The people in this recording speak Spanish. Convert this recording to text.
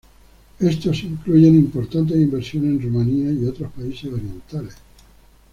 Estos incluyen importantes inversiones en Rumanía y otros países orientales.